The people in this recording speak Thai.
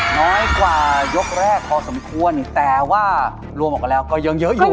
น้อยกว่ายกแรกพอสมควรแต่ว่ารวมออกกันแล้วก็ยังเยอะอยู่